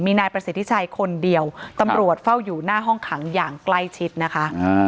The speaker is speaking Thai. มีนายประสิทธิชัยคนเดียวตำรวจเฝ้าอยู่หน้าห้องขังอย่างใกล้ชิดนะคะ